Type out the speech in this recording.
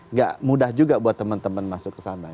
jadi itu agak mudah juga buat teman teman masuk ke sana